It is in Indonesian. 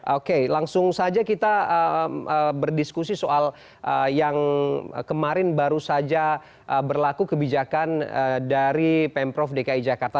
oke langsung saja kita berdiskusi soal yang kemarin baru saja berlaku kebijakan dari pemprov dki jakarta